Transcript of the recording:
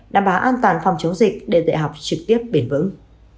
đảm bảo an toàn phòng chống dịch để dạy học trực tiếp bền vững